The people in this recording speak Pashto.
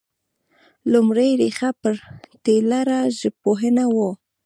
لومړۍ ريښه پرتلیره ژبپوهنه وه